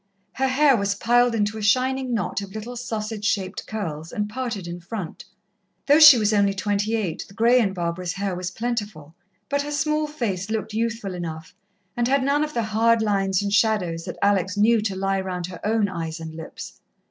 Her hair was piled into a shining knot of little, sausage shaped curls, and parted in front. Though she was only twenty eight, the grey in Barbara's hair was plentiful, but her small face looked youthful enough, and had none of the hard lines and shadows that Alex knew to lie round her own eyes and lips.